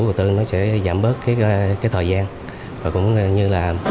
của tương nó sẽ giảm bớt cái thời gian và cũng như là